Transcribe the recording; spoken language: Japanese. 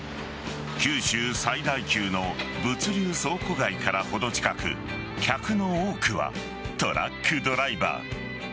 九州最大級の物流倉庫街から程近く客の多くはトラックドライバー。